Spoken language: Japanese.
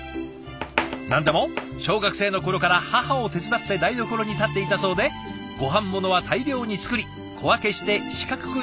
何でも小学生の頃から母を手伝って台所に立っていたそうでごはんものは大量に作り小分けして四角く握って冷凍保存。